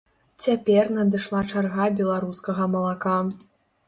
Цяпер надышла чарга беларускага малака.